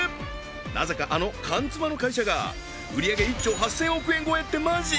なぜかあの缶つまの会社が売り上げ１兆８０００億円超えってマジ！？